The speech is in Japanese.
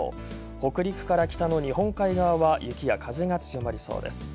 北陸から北の日本海側は雪や風が強まりそうです。